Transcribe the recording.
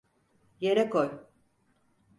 Yere koy!